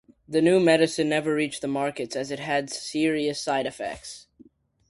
The new medicine never reached the market as it had serious side effects.